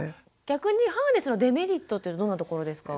逆にハーネスのデメリットってどんなところですか？